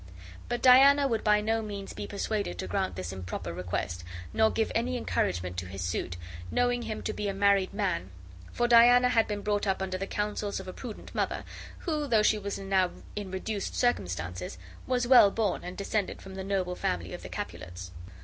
But Diana would by no means be persuaded to grant this improper request, nor give any encouragement to his suit, knowing him to be a married man; for Diana had been brought up under the counsels of a prudent mother, who, though she was now in reduced circumstances, was well born and descended from the noble family of the Capulets.